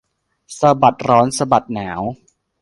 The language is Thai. สะบัดร้อนสะบัดหนาว